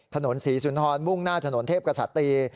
ถนนศรีสุนฮรงค์หน้าถนนเทพกระสารตี